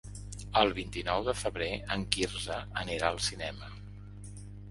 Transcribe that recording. El vint-i-nou de febrer en Quirze anirà al cinema.